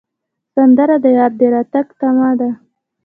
سندره د یار د راتګ تمه ده